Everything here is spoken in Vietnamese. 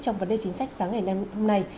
trong vấn đề chính sách sáng ngày hôm nay